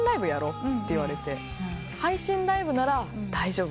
配信ライブなら大丈夫。